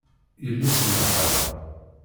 Yelli-s n leḥṛam!